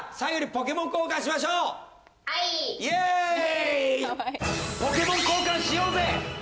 ポケモン交換しようぜ！